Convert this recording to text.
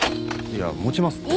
いや持ちますって。